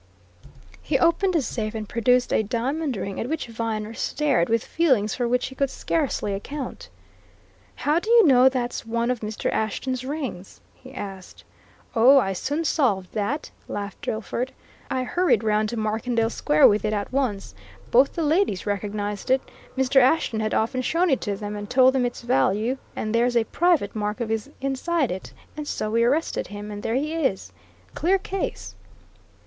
He opened a safe and produced a diamond ring at which Viner stared with feelings for which he could scarcely account. "How do you know that's one of Mr. Ashton's rings?" he asked. "Oh, I soon solved that!" laughed Drillford. "I hurried round to Markendale Square with it at once. Both the ladies recognized it Mr. Ashton had often shown it to them, and told them its value, and there's a private mark of his inside it. And so we arrested him, and there he is! Clear case!"